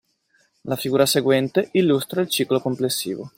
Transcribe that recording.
La figura seguente illustra il ciclo complessivo.